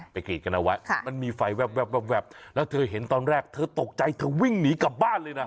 กรีดกันเอาไว้มันมีไฟแวบแล้วเธอเห็นตอนแรกเธอตกใจเธอวิ่งหนีกลับบ้านเลยนะ